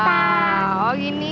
wah oh gini